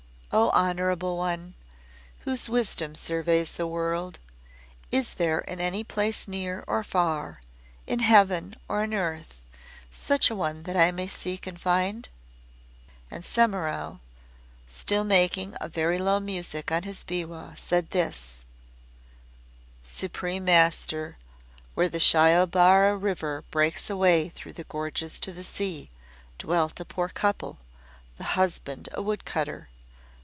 O, honorable One, whose wisdom surveys the world, is there in any place near or far in heaven or in earth, such a one that I may seek and find?" And Semimaru, still making a very low music on his biwa, said this; "Supreme Master, where the Shiobara River breaks away through the gorges to the sea, dwelt a poor couple the husband a wood cutter.